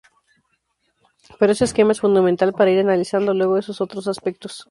Pero ese esquema es fundamental para ir analizando luego esos otros aspectos.